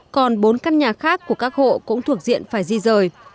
còn bốn căn nhà khác của các hộ cũng thuộc diện phải di rời